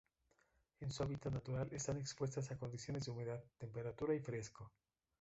En su hábitat natural están expuestas a condiciones de humedad, temperatura y fresco.